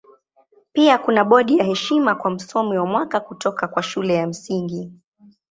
Pia kuna bodi ya heshima kwa Msomi wa Mwaka kutoka kwa Shule ya Msingi.